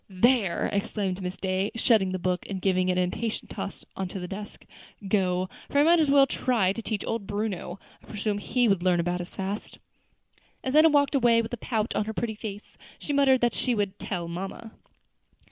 "There!" exclaimed Miss Day, shutting the book and giving it an impatient toss on to the desk; "go, for I might as well try to teach old Bruno. I presume he would learn about as fast." And Enna walked away with a pout on her pretty face, muttering that she would "tell mamma."